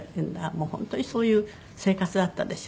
もう本当にそういう生活だったでしょ。